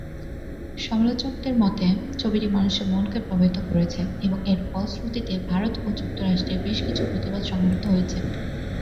সমালোচকদের মতে, ছবিটি মানুষের মনকে প্রভাবিত করেছে এবং এর ফলশ্রুতিতে ভারত ও যুক্তরাষ্ট্রে বেশ কিছু প্রতিবাদ সংঘটিত হয়েছে।